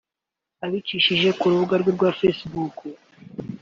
Abicishije ku rubuga rwe rwa Facebook